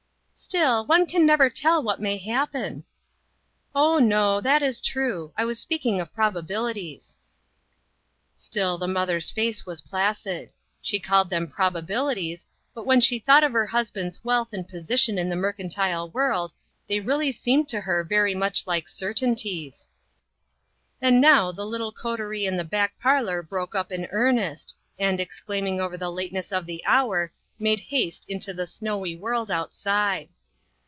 " Still, one can never tell what may hap pen." "Oh, no, that is true; I was speaking of probabilities." Still the mother's face was placid. She called them probabilities, but when she thought of her husband's wealth and position in the 14 INTERRUPTED. mercantile world, they really seemed to her very much like certainties. And now the little coterie in the back parlor broke up in earnest, and, exclaiming over the lateness of the hour, made haste into the snowy world outside.